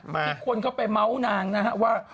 ที่คนเข้าไปเมาส์นางนะฮะว่า